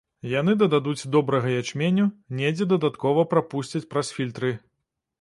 Яны дададуць добрага ячменю, недзе дадаткова прапусцяць праз фільтры.